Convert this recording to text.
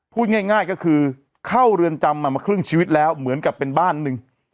พูดง่ายก็คือเข้าเรือนจำมามาครึ่งชีวิตแล้วเหมือนกับเป็นบ้านหนึ่ง